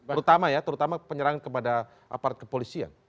terutama ya terutama penyerangan kepada aparte polisi ya